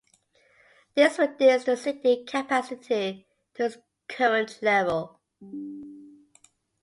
This reduced the seating capacity to its current level.